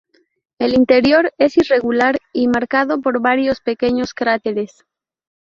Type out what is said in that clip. El interior es irregular y marcado por varios pequeños cráteres.